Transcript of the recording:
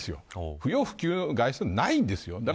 不要不急の外出はないんですよ。